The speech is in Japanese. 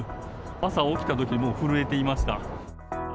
朝起きたとき、もう震えていました。